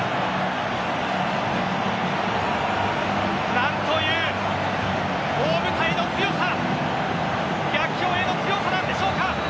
何という大舞台の強さ逆境への強さなんでしょうか。